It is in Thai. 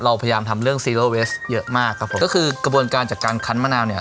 เราพยายามทำเรื่องซีโรเวสเยอะมากครับผมก็คือกระบวนการจากการคั้นมะนาวเนี่ย